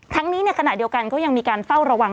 ทั้งนี้ในขณะเดียวกันก็ยังมีการเฝ้าระวัง